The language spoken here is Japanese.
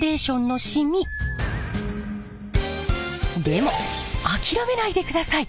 でも諦めないでください。